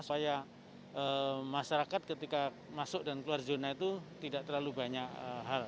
supaya masyarakat ketika masuk dan keluar zona itu tidak terlalu banyak hal